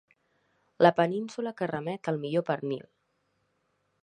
La península que remet al millor pernil.